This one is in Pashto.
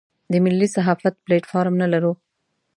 د ملي صحافت پلیټ فارم نه لرو.